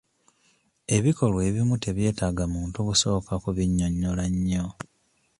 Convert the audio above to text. Ebikolwa ebimu tebyetaaga muntu kusooka kubinyonnyola nnyo.